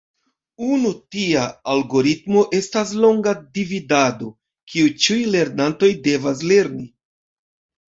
Unu tia algoritmo estas longa dividado, kiu ĉiuj lernantoj devas lerni.